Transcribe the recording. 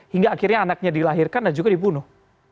hingga akhirnya anaknya dilahirkan dan juga dibunuh